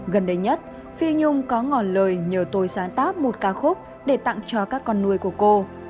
gần đây nhất phi nhung có ngọn lời nhờ tôi sáng tác một ca khúc để tặng cho các con nuôi của cô